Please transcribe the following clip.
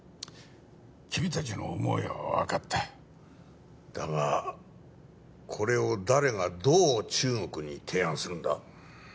君達の思いは分かっただがこれを誰がどう中国に提案するんだ？